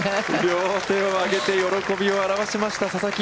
両手を上げて喜びをあらわしました、ささき。